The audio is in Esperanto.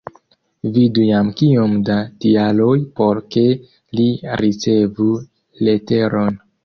Vidu jam kiom da tialoj por ke li ricevu leteron.